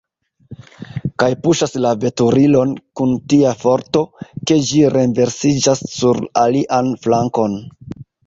kaj puŝas la veturilon kun tia forto, ke ĝi renversiĝas sur alian flankon.